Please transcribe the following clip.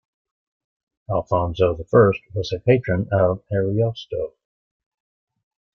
Alfonso the First was a patron of Ariosto.